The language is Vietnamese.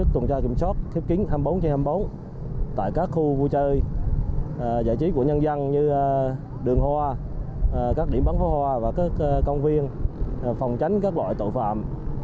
tội nhân dân như đường hoa các điểm bắn phố hoa và các công viên phòng tránh các loại tội phạm